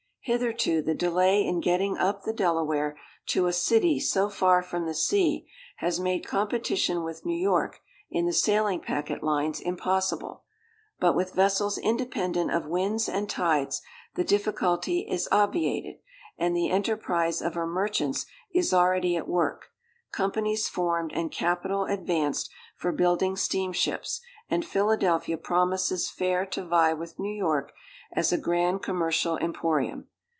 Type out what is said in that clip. Hitherto the delay in getting up the Delaware to a city so far from the sea, has made competition with New York in the sailing packet lines impossible; but with vessels independent of winds and tides, the difficulty is obviated, and the enterprise of her merchants is already at work—companies formed and capital advanced for building steam ships—and Philadelphia promises fair to vie with New York as a grand commercial emporium.